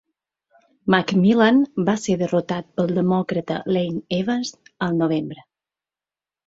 McMillan va ser derrotat pel demòcrata Lane Evans al novembre.